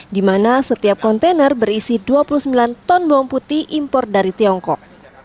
di mana setiap kontainer berisi dua puluh sembilan ton bawang putih impor dari tiongkok